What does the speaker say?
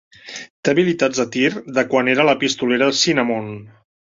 Té habilitats de tir de quan era la pistolera Cinnamon.